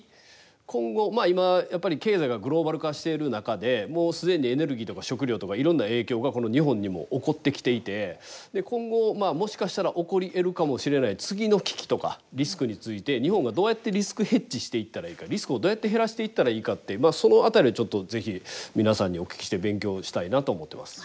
今後まあ今やっぱり経済がグローバル化してる中でもう既にエネルギーとか食料とかいろんな影響がこの日本にも起こってきていてで今後もしかしたら起こりえるかもしれない次の危機とかリスクについて日本がどうやってリスクヘッジしていったらいいかリスクをどうやって減らしていったらいいかっていうその辺りをちょっと是非皆さんにお聞きして勉強したいなと思ってます。